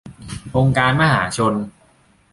องค์การมหาชน